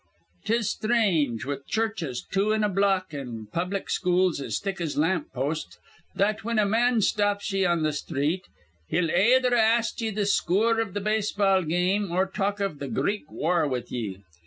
'Tis sthrange, with churches two in a block, an' public schools as thick as lamp posts, that, whin a man stops ye on th' sthreet, he'll ayether ast ye th' scoor iv th' base ball game or talk iv th' Greek war with ye.